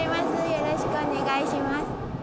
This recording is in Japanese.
よろしくお願いします。